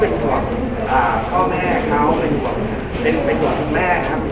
เป็นห่วงเป็นห่วงคุณแม่ครับ